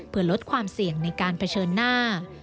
เพื่อลดความเสี่ยงในการเผชิญหน้า